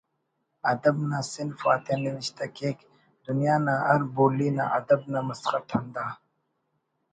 ادب نا صنف آتیا نوشتہ کیک دنیا نا ہر بولی نا ادب نا مسخت ہندا